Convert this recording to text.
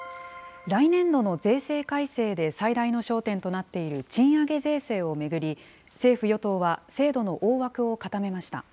来年度の税制改正で最大の焦点となっている賃上げ税制を巡り、政府・与党は制度の大枠を固めました。